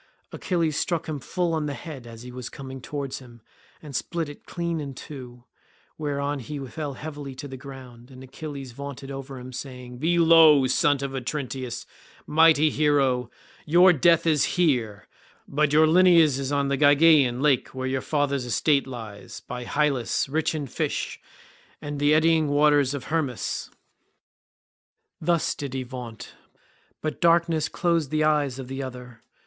Achilles struck him full on the head as he was coming on towards him, and split it clean in two; whereon he fell heavily to the ground and Achilles vaunted over him saying, "You be low, son of Otrynteus, mighty hero; your death is here, but your lineage is on the Gygaean lake where your father's estate lies, by Hyllus, rich in fish, and the eddying waters of Hermus." Thus did he vaunt, but darkness closed the eyes of the other.